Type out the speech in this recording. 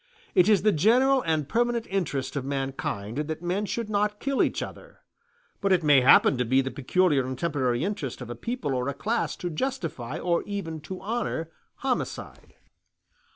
It is the general and permanent interest of mankind that men should not kill each other: but it may happen to be the peculiar and temporary interest of a people or a class to justify, or even to honor, homicide.